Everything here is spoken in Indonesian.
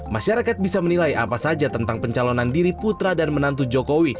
masyarakat bisa menilai apa saja tentang pencalonan diri putra dan menantu jokowi